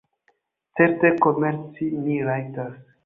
Certe, komerci mi rajtas.